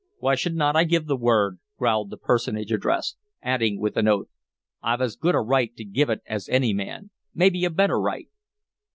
"Why should n't I give the word?" growled the personage addressed, adding with an oath, "I've as good a right to give it as any man, maybe a better right!"